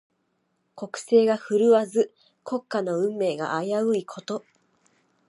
国勢が振るわず、国家の運命が危ういこと。